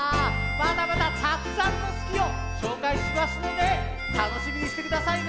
まだまだたくさんの「すき」をしょうかいしますのでたのしみにしてくださいね。